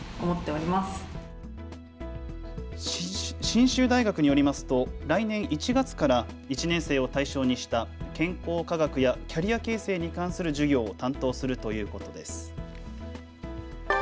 信州大学によりますと来年１月から１年生を対象にした健康科学やキャリア形成に関する授業を担当するということです。